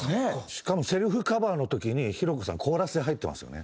しかもセルフカバーの時にひろ子さんコーラスで入ってますよね？